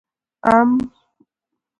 🥭 ام